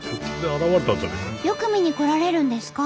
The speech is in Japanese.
よく見に来られるんですか？